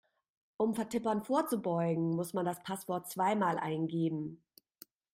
Um Vertippern vorzubeugen, muss man das Passwort zweimal eingeben.